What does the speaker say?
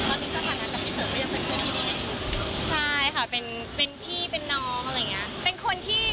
ตอนนี้สถานการณ์จากพี่เต๋อก็ยังเป็นคนที่ดีด้วย